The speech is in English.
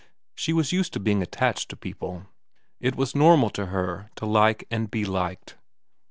She was used to being attached to people. It was normal to her to like and be liked.